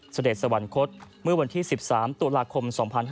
เสด็จสวรรคตเมื่อวันที่๑๓ตุลาคม๒๕๕๙